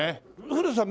古田さん